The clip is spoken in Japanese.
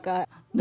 何？